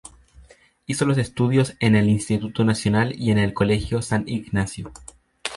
Hizo los estudios en el Instituto Nacional y en el Colegio San Ignacio.